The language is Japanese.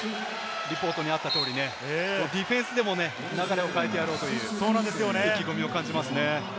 リポートにあった通り、ディフェンスでも流れを変えてやろうと意気込みを感じますね。